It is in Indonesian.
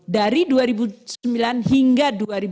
dari dua ribu sembilan hingga dua ribu dua puluh